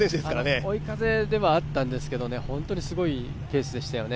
追い風ではあったんですけど本当にすごいペースでしたよね。